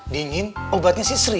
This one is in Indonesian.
dingin obatnya sisri